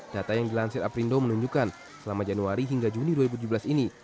data yang dilansir aprindo menunjukkan selama januari hingga juni dua ribu tujuh belas ini